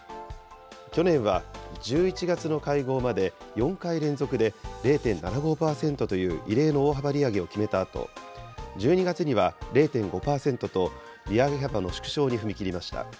去年は１１月の会合まで４回連続で０．７５％という異例の大幅利上げを決めたあと、１２月には０．５％と、利上げ幅の縮小に踏み切りました。